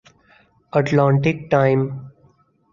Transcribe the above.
Atlantic time